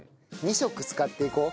２色使っていこう。